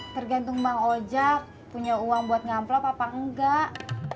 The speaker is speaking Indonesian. tergantung bang oljak punya uang buat ngamplop apa enggak